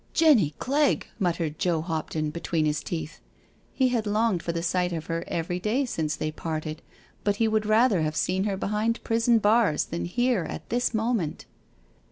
•* Jenny Cleggl" muttered Joe Hopton between his teeth. He had longed for the sight of her every day since they parted — ^but he would rather have seen her behind prison bars than here at this moment.